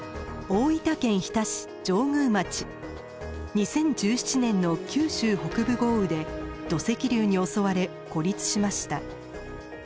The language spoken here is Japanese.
２０１７年の九州北部豪雨で土石流に襲われ孤立しました。